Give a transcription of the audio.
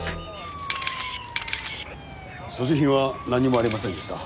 所持品は何もありませんでした。